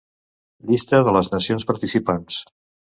Llista de les nacions participants.